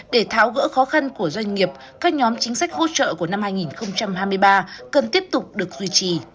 để tháo gỡ khó khăn của doanh nghiệp các nhóm chính sách hỗ trợ của năm hai nghìn hai mươi ba cần tiếp tục được duy trì